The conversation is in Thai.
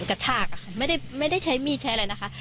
กระชากอะค่ะไม่ได้ใช้มีดใช้อะไรนะคะ